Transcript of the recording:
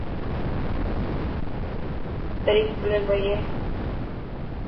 دري کليل پئي هي.